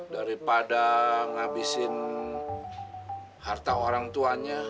daripada ngabisin harta orang tuanya